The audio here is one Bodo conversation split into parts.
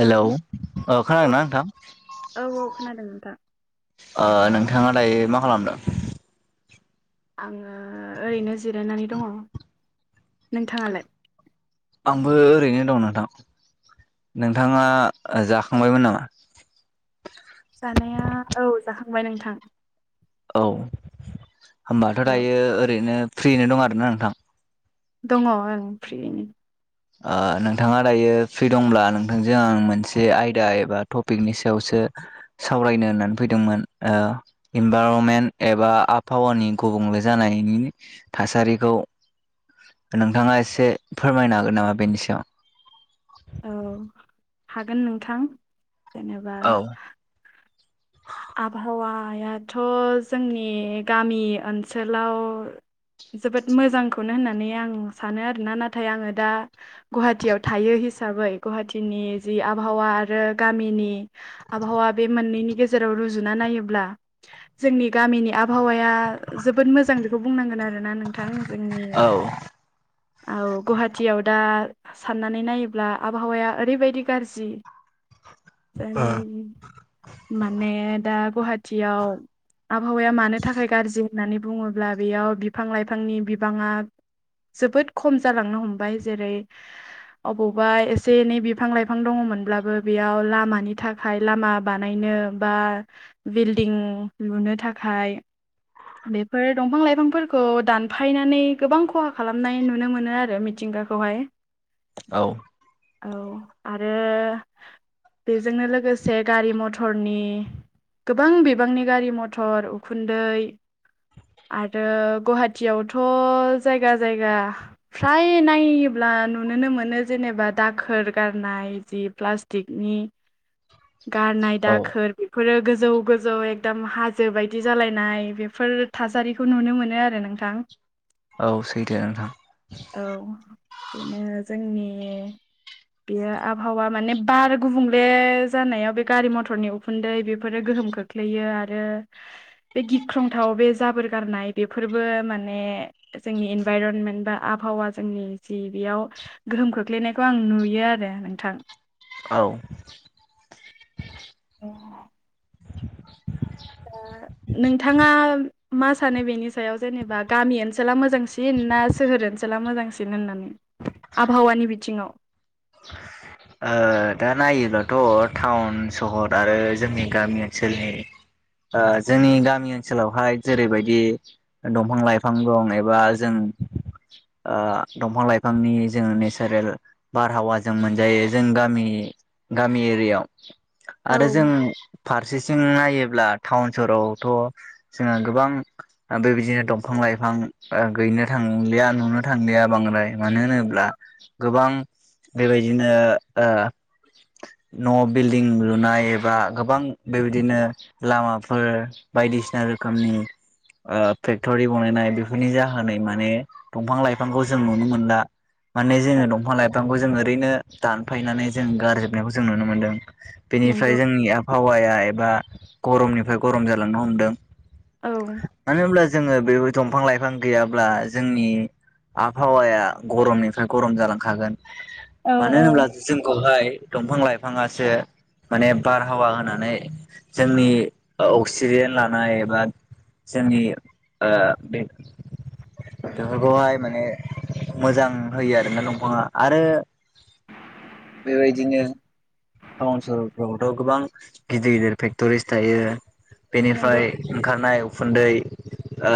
हेलौ औ खोनादोंना नोंथां औ औ खोनादों नोंथां ओ नोंथाङा दायो मा खालामदों आङो ओरैनो जिरायनानै दङ नोंथाङालाय आंबो ओरैनो दं नोंथां नोंथाङा जाखांबायमोन नामा जानाया औ जाखांबाय नोंथां औ होनोमबाथ औ दायो ओरैनो फ्रिनो दं आरोना नोंथां दङ ओं फ्रियैनो ओ नोंथाङा दायो फ्रि दंब्ला नोंथांजों आं मोनसे आयदा एबा टपिकनि सायावसो सावरायनो होननानै फैदोंमोन ओ इनभारमेन्ट एबा आबहावानि गुबुंले जानायनि थासारिखौ नोंथाङा एसे फोरमायनो हागोन नामा बेनि सायाव औ हागोन नोंथां जेनेबा आबहावायाथ जोंनि गामि ओनसोलाव जोबोद मोजांखौनो होननानै आं सानो आरोना नाथाय आङो दा गुवाहाटियाव थायो हिस साबै गुवाहाटिनि जि आबहावा आरो गामिनि आबहावा बे मोननैनि गेजे जेराव रुजुना नायोब्ला जोंनि गामिनि आबहावाया जोबोद मोजां बेखौ बुंनांगोन आरोना नोंथां जोंनि औ औ गुवाहाटियाव दा साननानै नायोब्ला आबहावाया ओरैबायदि गारजि [inaudible] ओं माने दा गुवाहाटियाव आबहावाया मानो थाखाय गाज्रि होननानै बुङोब्ला बेयाव बिफां लाइफांनि बिबाङा जोबोद खम जालांनो हमबाय जेरै अबावबा एसे एनै बिफां लाइफां दङमोनब्लाबो बेयाव लामानि थाखाय लामा बानाय बानायनो बा बिल्डिं लुनो थाखाय बेफोर दंफां लाइफांफोरखौ दानफायनानै गोबां खहा खालामनाय नुनो मोनो आरो मिथिंगाखौहाय औ औ आरो बेजोंनो लोगोसे गारि मथ रनि गोबां बिबांनि गारि मथर उखुन्दै आरो गुवाहाटियावथ जायगा जायगा फ्राय नायोब्ला नुुनोनो मोनो जेनेबा दाखोर गारनाय जि प्लास्टिकनि [inaudible] गारनाय औ दाखोर र गोजौ गोजौ एकदम हाजो बायदि जालायनाय बेफोर थासारि खौ नुनो मोनो आरो नोंथां। औ सैथो नोंथां। औ बेनो जोंनि बेयो आबहावा माने बार गुबुंले जानायाव बे गारि मथर थरनि उखुन्दै बेफोरो गोहोम खोख्लैयो आरो बे गिख्रंथाव बे जाबोर गारनाय बेफोरबो माने जोंनि इनभाइरनमेन्ट बा आबहावा जोंनि जि बेयाव गोहोम खोख्लैनायखौ आं नुयो आरो नोंथां। औ। [inaudible] [inaudible] नोंथाङा मा सानो बेनि सायाव जेनेबा गामि ओनसोला मोजांसिन ना सोहोर ओनसो हला मोजांसिन होननानै आबहावानि बिथिङाव [inaudible] ओ दा नायोब्लाथ' टाउन सहर आरो जोंनि गामि ओनसोलनि जोंनि गामि ओनसोलावहाय जेरैबायदि दंफां लाइफां दं एबा जों दंफां लाइफांनि जोङो नेचारेल बारहावाजों मोनजायो जों गामि गामि एरियायाव। आरो जों औ फारसेथिं नायोब्ला टाउन सहरावथ' जोङो गोबां बेबायदिनो दंफां लाइफां गैनो थांलिया नुनो थांलिया बांद्राय मानो होनोब्ला गोबां बेबायदिनो ओ न' बिल्डिं लुनाय एबा गोबां बेबायदिनो लामाफोर बायदिसिना रोखोमनि फेक्ट'रि बनायनाय बेफोरनि जाहोनै माने दंफां लाइफांखौ जों नुनो मोना। मान जो दंफां - लाइफां खौ जों ओरैनो दानफायनानै जों गारजोबनायखौ जों नुनो मोनदों नंगौ बेनिफ्राय जोंनि हहावाया एबा गरमनिफ्राय गरम जालांनो हमदों। औ मानो होनब्ला जोङो बेबाय दंफां लाइफां गैयाब्ला जोंनि आबहावाया गरमनिफ्राय गरम जालांखागोन। मानो होनोब्ला जोंखौहाय दंफां लाइफाङासो माने बारहावा होनानै जोंनि अक्सिजेन लानाय एबा जोंनि बे बेफोरखौहाय माने मोजां होयो आरोना दंफाङा आरो बेबायदिनो टाउन सहरफ्रावथ' गोबां गिदिर गिदिर फेक्ट'रिस थायो नंगौ बेनिफ्राय ओंखारनाय उखुन्दै ओ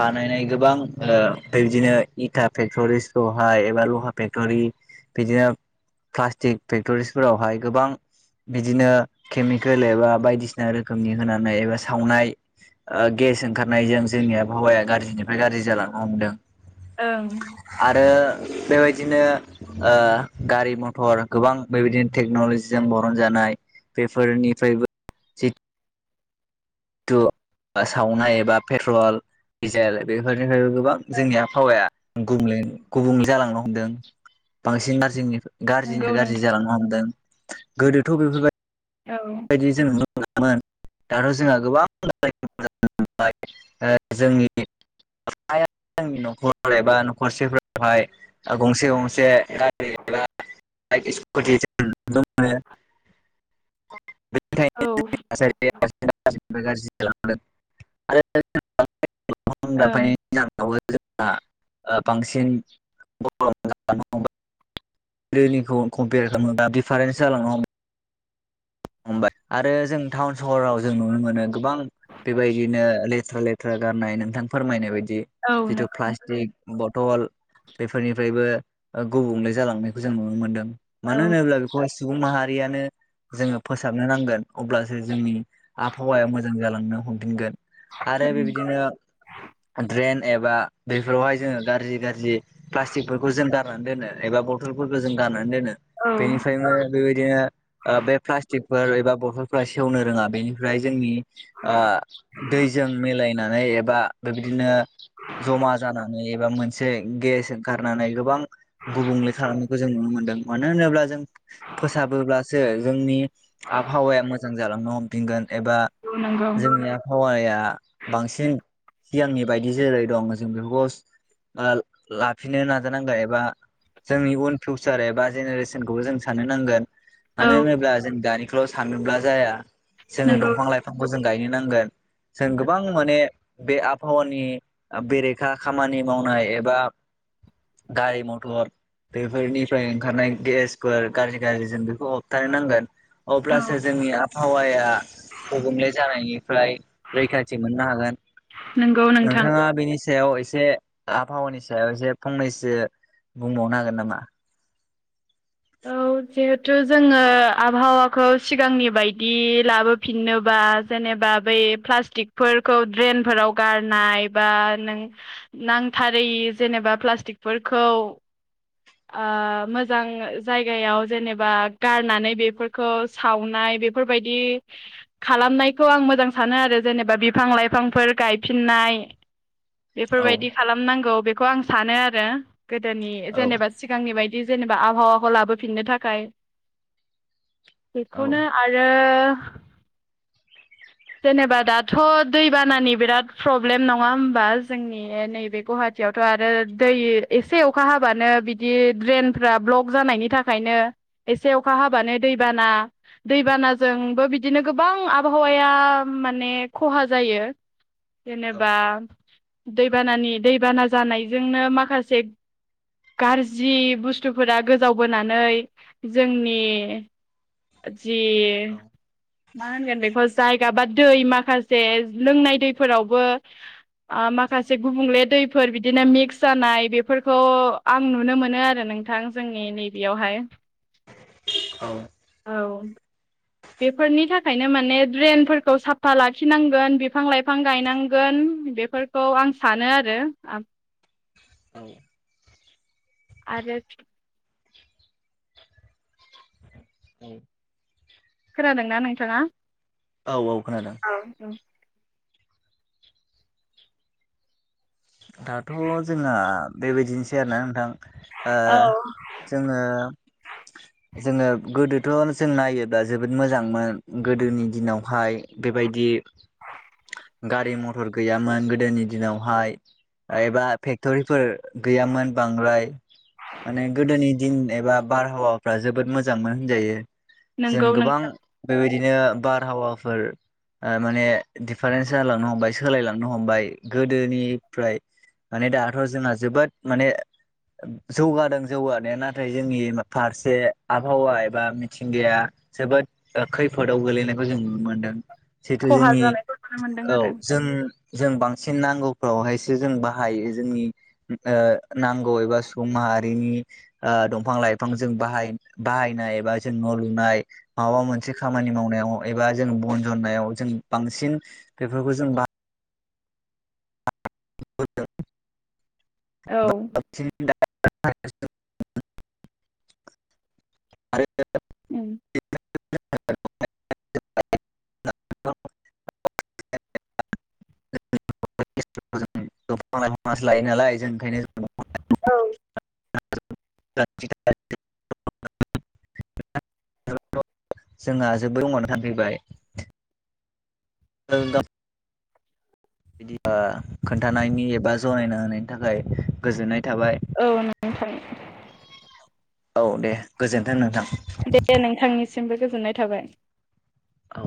बानायनाय गोबां बेबायदिनो इटा फेक्टरिखौहाय एबा लहा फेक्टरि बिदिनो प्लास्टिक फेक्टरिसफोरावहाय गोबां बिदिनो केमिकेल एबा बायदिसिना रोखोमनि होनानै एबा सावनाय गेस ओंखारनायजों जोंनि आबहावाया गाज्रिनिफ्राय गाज्रि जालांनो हमदों। ओं। आरो बेबायदिनो गारि मथर गोबां बेबायदिनो टेक्न'लजिजों बरन जानाय बेफोरनिफ्रायबो थु आसामावहाय एबा पेट्रल दिडिजेल बेफोरनिफ्रायबो गोबां जोंनि आबहावाया गुबुंल गुबुंले जालांनो हमदों बांसिन मार जोंनि नंगौ गाज्रिनि गाज्रि नोंथां जालांनो हमदों गोदोथ' बेफोरबायदि औ बिदि जों नुनो मोनोमोन दाथ' जोंहा गोबां [unintelligible] [unintelligible] खर एबा नखरसेफोरावहाय गंसे गंसे गारि एबा [unintelligible] नुनो मोनो [unintelligible] [unintelligible] [unintelligible] औ ओं जोंहा ओ बांसिन बर' दैनिखौ कम्पेयार खामोबा दिडिफारेन्स जालांनो हमो हबाय आरो जों टाउन सहराव जों नुनो मोनो गोबां बेबायदिनो लेथ्रा लेथ्रा गारनाय नोंथां फोरमायनाय बायदि औ जिथु नंगौ प्लास्टिक बथल बेफोरनिफ्रायबो गुबुंले जालांनायखौ जों नुनो मोनदों मानो औ होनोब्ला बेखौहाय सुबुं माहारियानो जोङो फोसाबनो नांगोन अब्लासो जोंनि आबहावाया मोजां जालांनो हमफिनगोन आरो नंगौ बेबायदिनो ड्रेन एबा बेफोरावहाय जोङो गाज्रि गाज्रि प्लास्टिकफोरखौ जों गारनानै दोनो एबा बथलफोरखौ जों गारनानै दोनो औ बेनिफ्रायनो बेबायदिनो ओ बे प्लास टिकफोर एबा बथलफोरा सेवनो रोङा बेनिफ्राय जोंनि ओ दैजों मिलायनानै एबा बेबायदिनो जमा जाना नै एबा मोनसे गेस गारनानै गोबां गुबुंले खालामनायखौ जों नुनो मोन्दों मानो होनोब्ला जों फोसाबोब्लासो जोंनि आबहावाया मोजां जालांनो हमफिनगोन एबा नंगौ जोंनि आबहावाया बांसिन सिगांनि बायदि जेरै दं जों बिकस ओ लाफिनो नाजानांगोन एबा जोंनि उन फिउचार एबा जेनेरेसनखौबो जों साननो नांगोन औ मानो होनोब्ला जों दानिखौल' सानोब्ला जाया जोङो नंगौ दंफां लाइ फांखौ जों गायनो नांगोन जों गोबां माने बे आबहावानि बेरेखा खामानि मावनाय एबा गारि मटर बेफोरनिफ्राय ओंखारनाय गेसफोर गाज्रि गाज्रि जों बेखौ होबथानो नांगोन औ अब्लासो जोंनि आबहावाया गुबुंले जानायनिफ्राय रैखाथि मोननो हागोन नोंगौ नोंथां नोंथाङा बेनि सायाव एसे आबहावानि सायाव एसे फंनैसो बुंबावनो हागोन नामा औ [inaudible] जिहेथु जोङो आबहावाखौ सिगांनि बायदि लाबोफिननोबा जेनेबा बै प्लास्टिकफोरखौ ड्रेनफोराव गारनाय बा नों नांथारै जेनेबा प्लास्टिकफोरखौ ओ मोजां जायगायाव जेनेबा गारनानै बेफोरखौ सावनाय बेफोरबायदि खालामनायखौ आं मोजां सानो आरो जेनेबा बिफां लाइफांफोर गायफिननाय औ बेफोरबायदि खालामनांगौ बेखौ आं सानो आरो गोदोनि औ जेनेबा सिगांनि बायदि जेनेबा आबहावाखौ लाबोफिननो थाखाय औ बेखौनो आ रो [inaudible] जेनेबा दाथ' दैबानानि बिराद प्रब्लेम नङा होमबा जोंनि नैबेखौहाय खाथियावथ' आरो दै एसे अखा हाबानो बिदि ड्रेनफ्रा ब्लक जानायनि थाखायनो एसे अखा हाबानो दैबाना दै बानाजोंबो बिदिनो गोबां आबहावाया माने खहा जायो [inaudible] जेनेबा दैबानानि दैबाना जानायजोंनो माखासे गाज्रि बुस्थुफोरा गोजाव बोनानै जोंनि जि मा होनगोन बेखौ जायगा बा दै माखासे लोंनाय दैफोरावबो ओ माखासे गुबुंले दैफोर बिदिनो मिक्स जानाय बेफोरखौ आं नुनो मोनो आरो नोंथां जोंनि नैबेयावहाय औ। औ। बेफोरनि थाखायनो माने ड्रेनफोरखौ साफा लाखिनांगोन बिफां लाइफां गायनांगोन बेफोर खौ आं सानो आरो। [unintelligible] आरो [unintelligible] खोनादोंना नोंथाङा? औ औ खोनादों। औ। दाथ' जोंहा बेबायदिनोसै आरोना नोंथां। ओ औ जोङो जोङो गोदोथ' जों नायोब्ला जोबोद मोजांमोन गोदोनि दिनावहाय बेबायदि गारि मथर गैयामोन गोदोनि दिनावहाय एबा फेक्टरिफोर गैयामोन बांद्राय माने गोदोनि दिन एबा बारहावाफ्रा जोबोद मोजांमोन होनजायो जों नंगौ गोबां नोंथां बेबायदिनो बारहावाफोर ओ माने डिफारेन्स जालांनो हमबाय सोलायलांनो हमबाय गोदोनि फ्राय माने दाथ' जोंना जोबोद माने जौगादों जौगानाया नाथाय जोंनि फारसे आबहावा एबा मिथिंगाया जोबोद खैफोदाव गोलैनायखौ जों नुनो मोन्दों। जिथु खहा जोंनि जानायखौ नुनो मोनदों औ आरो जों जों बांसिन नांगौ‌। फ्रावहायसो जों बाहायो जोंनि नांगौ एबा सुबुं माहारिनि दंफां लाइफां जों बाहाय बाहायनाय एबा जों न' लुनाय। माबा मोनसे खामानि मावनायाव एबा जों बन जन्नायाव जों बांसिन बेफोरखौ जों बा हायबो‌दों। औ [unintelligible] [unintelligible] आरो [unintelligible] [unintelligible] दंफां लाइफाङासो लायो नालाय जों ओंखायनो दंफां लाइफां [unintelligible] [unintelligible] [unintelligible] औ। जोंहा जोबोर [unintelligible] नो सानफैबाय औ नोंथां। बिदिबा खोन्थानायनि एबा जनायना होनायनि थाखाय गोजोननाय थाबाय। औ नों नोंथां। औ दे गोजोन्थों नोंथां। दे नोंथांनिसिमबो गोजोननाय थाबाय। औ।